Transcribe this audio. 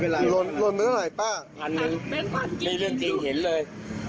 ลงลงเหมือนไหนป้าอันนึงมันมันเรื่องจริงเห็นเลย